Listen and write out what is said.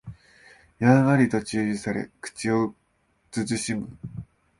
やんわりと注意され口を慎む